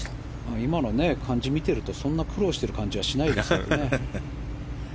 今の感じを見てるとそんなに苦労してる感じはしないんですけどね。